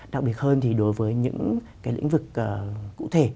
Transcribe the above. đặc biệt hơn thì đối với những cái lĩnh vực cụ thể